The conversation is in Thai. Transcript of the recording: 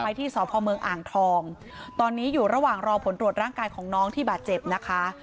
ที่สพเมืองอ่างทองตอนนี้อยู่ระหว่างรอผลตรวจร่างกายของน้องที่บาดเจ็บนะคะ